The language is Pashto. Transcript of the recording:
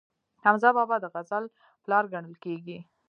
حمزه بابا د غزل پلار ګڼل کیږي.